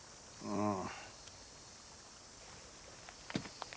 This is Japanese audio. うん。